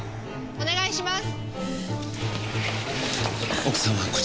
お願いします！